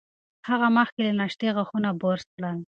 هغه مخکې له ناشتې غاښونه برس کړل.